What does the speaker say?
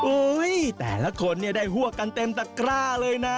โอ้โฮแต่ละคนได้หวกกันเต็มตะคร่า